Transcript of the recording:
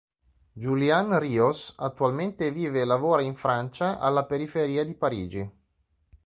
Julián Ríos attualmente vive e lavora in Francia, alla periferia di Parigi.